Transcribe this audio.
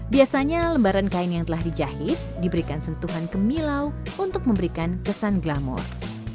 biasanya lembaran kain yang telah dijahit diberikan sentuhan kemilau untuk memberikan kesan glamour